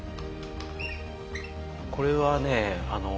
これはね